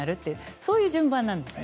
そういう順番なんですね。